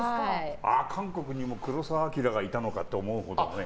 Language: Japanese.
韓国にも黒澤明がいたのかって思うほどね。